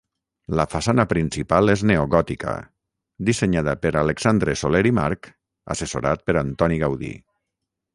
La façana principal és neogòtica, dissenyada per Alexandre Soler i March assessorat per Antoni Gaudí.